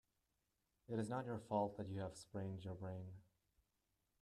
It is not your fault that you have sprained your brain.